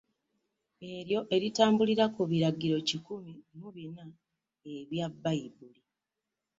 Eryo eritambulira ku biragiro kikumi mu bina ebya Bbayibuli.